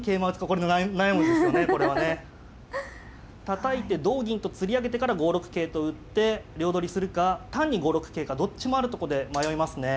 たたいて同銀とつり上げてから５六桂と打って両取りするか単に５六桂かどっちもあるとこで迷いますね。